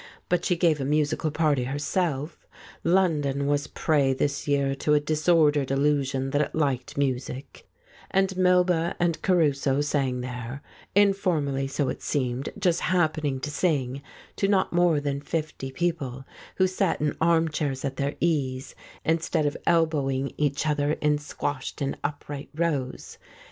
But she gave a musical party herself — London was prey this year to a disordered illusion that it liked music — and Melba and Caruso sang there — informally, so it seemed, just happening to sing — to not more than fifty people, who sat in arm chairs at their ease, instead of elbowing each other in squashed and upright rows.